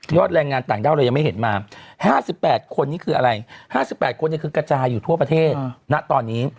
แรงงานต่างด้าวเรายังไม่เห็นมา๕๘คนนี้คืออะไร๕๘คนคือกระจายอยู่ทั่วประเทศณตอนนี้